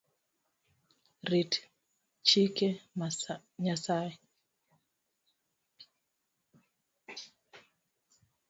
Rit chike Nyasaye